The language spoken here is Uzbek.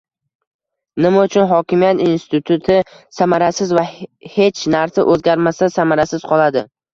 Nima uchun hokimiyat instituti samarasiz va hech narsa o'zgarmasa, samarasiz qoladi?